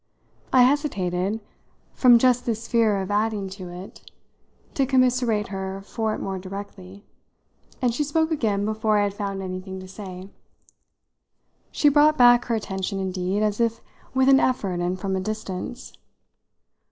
I hesitated, from just this fear of adding to it, to commiserate her for it more directly, and she spoke again before I had found anything to say. She brought back her attention indeed as if with an effort and from a distance.